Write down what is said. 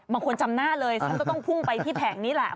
บางคนจำหน้าเลยท่านต้องพุ่งไปที่แผงนี้แหละ